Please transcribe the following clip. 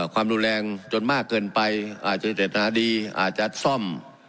ความรุนแรงจนมากเกินไปอาจจะเจตนาดีอาจจะซ่อม